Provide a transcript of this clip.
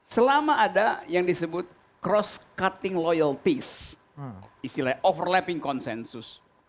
selama ada yang disebut cross cutting loyalties istilahnya overlapping konsensus